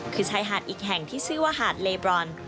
คือชายหาดอีกแห่งที่ชื่อว่าหาดเลบรอน